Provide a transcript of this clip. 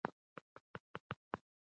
درې او سیندونه د هېواد ښکلا ده.